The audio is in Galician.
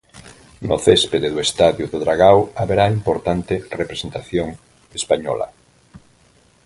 No céspede do estadio do Dragao haberá importante representación española.